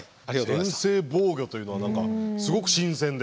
先制防御というのは何かすごく新鮮で。